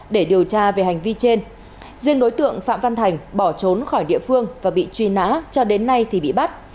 để điều tra về hành vi trên riêng đối tượng phạm văn thành bỏ trốn khỏi địa phương và bị truy nã cho đến nay thì bị bắt